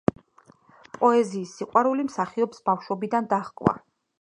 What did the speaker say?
პოეზიის სიყვარული მსახიობს ბავშვობიდან დაჰყვა.